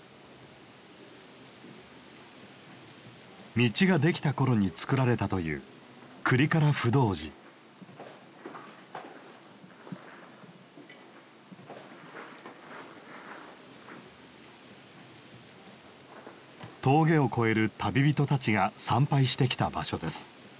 道ができた頃に造られたという峠を越える旅人たちが参拝してきた場所です。